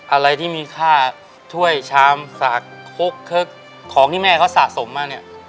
อะไรที่มีค่าถ้วยชามสากคกเคิกของที่แม่เขาสะสมมาเนี่ย